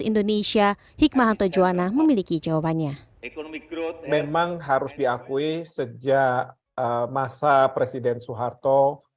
indonesia hikmahantojoana memiliki jawabannya memang harus diakui sejak masa presiden soeharto